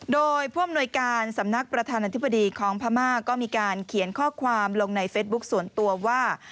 โดยผู้อำนวยการสำนักประธานาธิบดีของพม่าก็มีการเขียนข้อความลงในเฟซบุ๊คส่วนตัวว่า